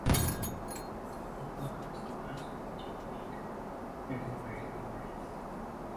Methuen High School's athletic teams play in the Merrimack Valley Conference.